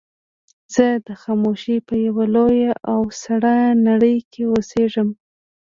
زه د خاموشۍ په يوه لويه او سړه نړۍ کې اوسېږم.